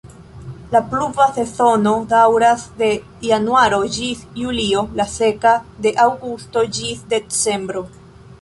La pluva sezono daŭras de januaro ĝis julio, la seka de aŭgusto ĝis decembro.